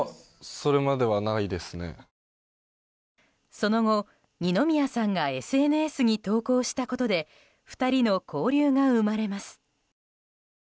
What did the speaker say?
その後、二宮さんがＳＮＳに投稿したことで２人の交流が生まれます。